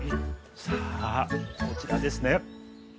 さあこちらですね。